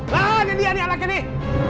lah ada dia nih anaknya nih